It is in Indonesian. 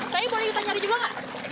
saya boleh kita nyari juga nggak